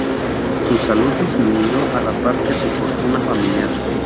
Su salud disminuyó a la par que su fortuna familiar.